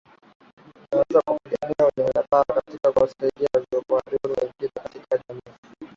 Unaweza kupigana na unyanyapaa na kuwasaidia na siyo kuwadhuru wengine katika jamii